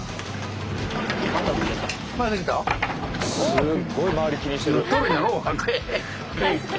すっごい周り気にしてる。